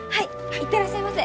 行ってらっしゃいませ！